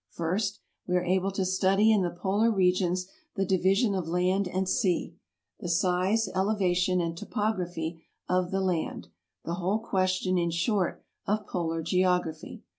First, we are able to study in the polar regions the division of land and sea, the size, elevation, and topography of the land — the whole question, in short, of polar geography.